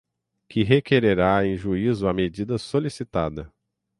que requererá em juízo a medida solicitada.